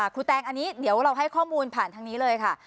แตงอันนี้เดี๋ยวเราให้ข้อมูลผ่านทางนี้เลยค่ะ